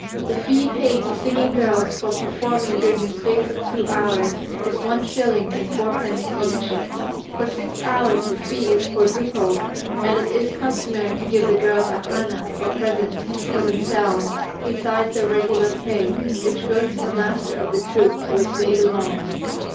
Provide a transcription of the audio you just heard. The fee paid to singing girls for performing during a space of two hours is one shilling and fourpence each; for six hours the fee is quadrupled, and it is customary to give the girls a hana, or present, for themselves, besides their regular pay, which goes to the master of the troupe to which they belong.